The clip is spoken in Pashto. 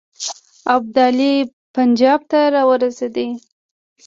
ابدالي پنجاب ته را ورسېد.